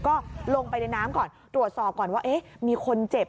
ก็ลงไปในน้ำก่อนตรวจสอบก่อนว่าเอ๊ะมีคนเจ็บ